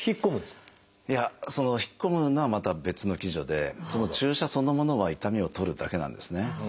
いや引っ込むのはまた別の機序で注射そのものは痛みを取るだけなんですね。